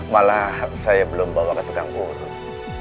malah saya belum bawa ke tukang urut